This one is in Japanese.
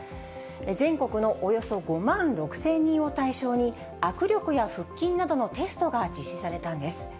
全国のおよそ５万６０００人を対象に、握力や腹筋などのテストが実施されたんです。